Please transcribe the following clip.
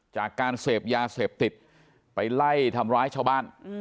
จากการเสพยาเสพติดไปไล่ทำร้ายชาวบ้าน